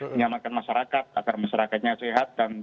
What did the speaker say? menyelamatkan masyarakat agar masyarakatnya sehat dan